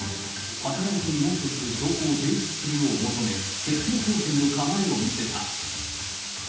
働いていないとする証拠を提出するよう求め、徹底抗戦の構えを見せた。